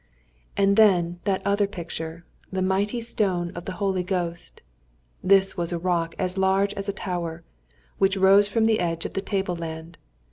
And then that other picture, the mighty stone of the Holy Ghost. This was a rock as large as a tower, which rose from the edge of the table land.